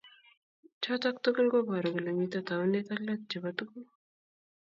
chotok tugul kobaru kole mito taunet ak let chebo tuguk